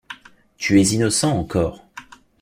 Tu es innocent encore!